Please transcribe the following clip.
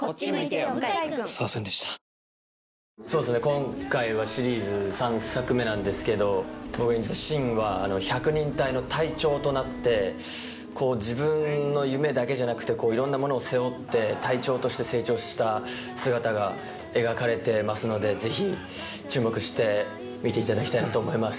今回はシリーズ３作目なんですけど僕が演じた信は百人隊の隊長となって自分の夢だけじゃなくていろんなものを背負って隊長として成長した姿が描かれてますのでぜひ注目して見ていただきたいなと思います。